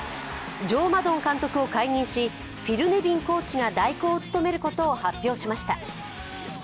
ジョー・マドン監督を解任しフィル・ネビンコーチが代行を務めることを発表しました。